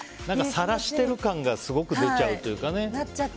さらしてる感がすごく出ちゃうというかね。